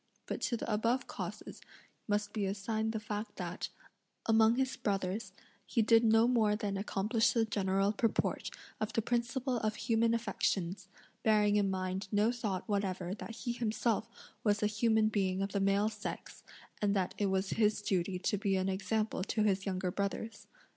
But to the above causes must be assigned the fact that, among his brothers, he did no more than accomplish the general purport of the principle of human affections; bearing in mind no thought whatever that he himself was a human being of the male sex, and that it was his duty to be an example to his younger brothers.